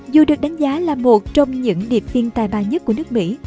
dù được đánh giá là một trong những điệp viên tài ba nhất của nước mỹ